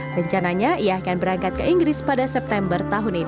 rencananya ia akan berangkat ke inggris pada september